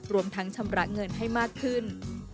รวมทั้งชำระเงินให้มากขึ้น